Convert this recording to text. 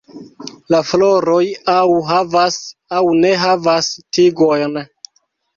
La floroj aŭ havas aŭ ne havas tigojn.